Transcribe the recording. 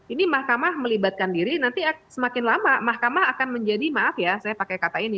ini mahkamah melibatkan diri nanti semakin lama mahkamah akan menjadi maaf ya saya pakai kata ini